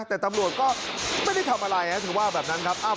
แต่ตำรวจก็ไม่ได้ทำอะไรเธอว่าแบบนั้นครับ